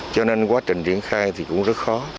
cho nên quá trình triển khai thì cũng rất khó